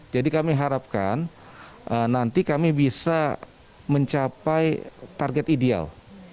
jadi kami harapkan nanti kami bisa mencapai target ideal